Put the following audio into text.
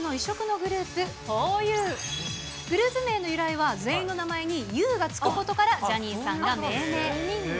グループ名の由来は、全員の名前に、ゆうが付くことからジャニーさんが命名。